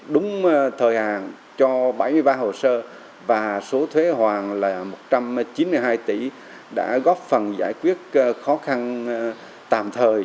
đúng thời hạn cho bảy mươi ba hồ sơ và số thuế hoàn là một trăm chín mươi hai tỷ đã góp phần giải quyết khó khăn tạm thời